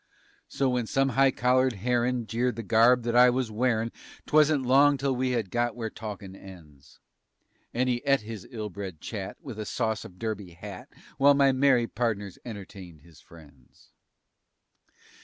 So when some high collared herrin' jeered the garb that I was wearin' 'Twas't long till we had got where talkin' ends, And he et his illbred chat, with a sauce of derby hat, While my merry pardners entertained his friends.